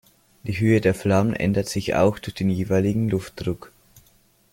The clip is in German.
Die Höhe der Flammen ändert sich auch durch den jeweiligen Luftdruck.